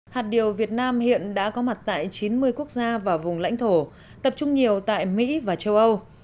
hạt điều việt nam hiện đã có mặt tại chín mươi quốc gia và vùng lãnh thổ tập trung nhiều tại mỹ và châu âu